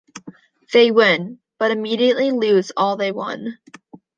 They win, but immediately lose all they won.